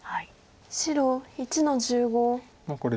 白１の十五。